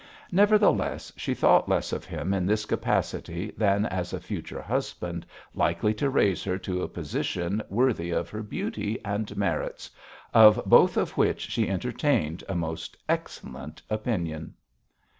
Nevertheless, she thought less of him in this capacity, than as a future husband likely to raise her to a position worthy of her beauty and merits, of both of which she entertained a most excellent opinion.